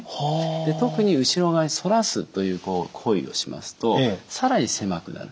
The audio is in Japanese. で特に後ろ側に反らすという行為をしますと更に狭くなる。